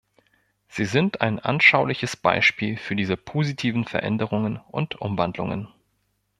Sie sind ein anschauliches Beispiel für diese positiven Veränderungen und Umwandlungen.